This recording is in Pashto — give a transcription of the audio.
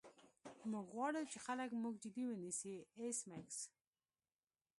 موږ غواړو چې خلک موږ جدي ونیسي ایس میکس